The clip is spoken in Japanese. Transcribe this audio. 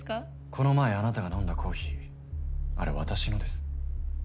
この前あなたが飲んだコーヒーあれ私のです。